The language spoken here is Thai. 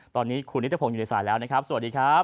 ตอนนี้คุณนิทพงศ์อยู่ในสายแล้วนะครับสวัสดีครับ